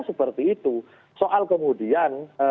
seperti itu soal kemudian